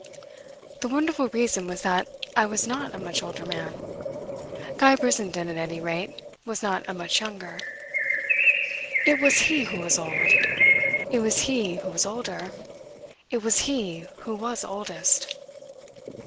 The wonderful reason was that I was not a much older man; Guy Brissenden, at any rate, was not a much younger. It was he who was old it was he who was older it was he who was oldest.